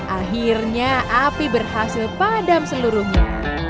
akhirnya api berhasil padam seluruhnya